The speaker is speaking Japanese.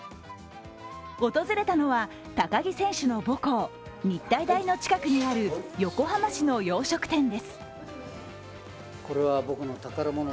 訪れたのは高木選手の母校、日体大の近くにある横浜市の洋食店です。